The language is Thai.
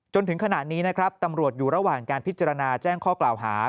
จนถึงขณะนี้นะครับตำรวจอยู่ระหว่างการพิจารณาแจ้งข้อกล่าวหา